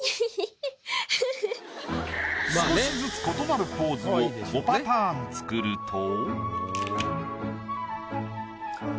少しずつ異なるポーズを５パターン作ると。